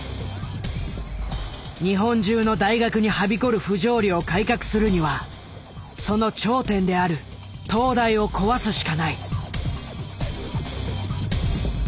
日本中の大学にはびこる不条理を改革するにはその頂点である東大を壊すしかない。